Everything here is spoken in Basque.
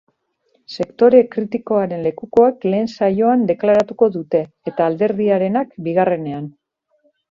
Sektore kritikoaren lekukoek lehen saioan deklaratuko dute, eta alderdiarenak, bigarrenean.